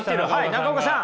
中岡さん。